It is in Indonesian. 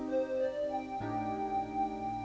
biar di rumah